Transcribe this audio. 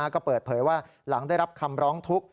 ก็เปิดเผยว่าหลังได้รับคำร้องทุกข์